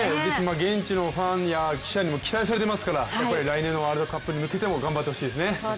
現地のファンや記者にも期待されていますから来年のワールドカップに向けても頑張ってほしいですね。